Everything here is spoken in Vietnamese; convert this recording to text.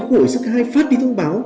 khuổi sức hai phát đi thông báo